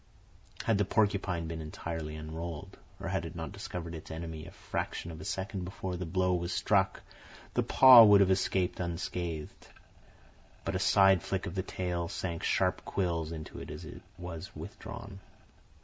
Had the porcupine been entirely unrolled, or had it not discovered its enemy a fraction of a second before the blow was struck, the paw would have escaped unscathed; but a side flick of the tail sank sharp quills into it as it was withdrawn.